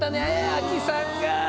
アキさんが。ね！